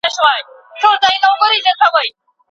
ماشومان له خپلو مشرانو څخه تقلید کوي.